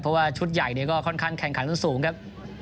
เพราะว่าชุดใหญ่ก็ค่อนข้างแข่งขันสูงครับ